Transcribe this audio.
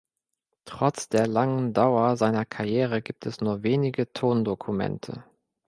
Trotz der langen Dauer seiner Karriere gibt es nur wenige Tondokumente.